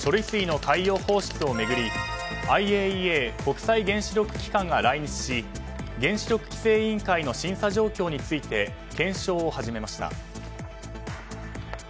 水の海洋放出を巡りＩＡＥＡ・国際原子力機関が来日し原子力規制委員会の審査状況について検証を始めました。